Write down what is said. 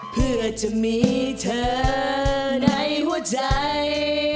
เพื่อจะมีเธอในหัวใจ